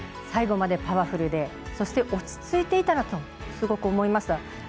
最後までパワフルでそして落ち着いていたなとすごく思いました。